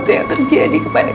kau yang memberi kekuatan